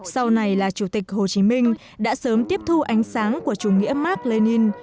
sau này là chủ tịch hồ chí minh đã sớm tiếp thu ánh sáng của chủ nghĩa mark lenin